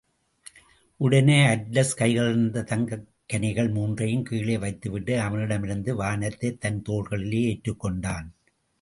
உடனே அட்லஸ் கைகளிலிருந்த தங்கக் கனிகள் மூன்றையும் கீழே வைத்துவிட்டு அவனிடமிருந்து வானத்தைத் தன் தோள்களிலே ஏற்றுக்கொண்டான்.